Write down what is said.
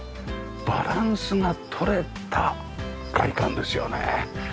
バランスが取れた外観ですよね。